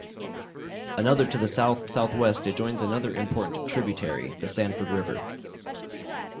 Another to the south-southwest it joins another important tributary, the Sanford River.